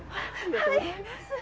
はい。